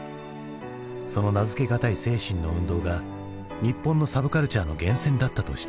その名付け難い精神の運動が日本のサブカルチャーの源泉だったとしたら？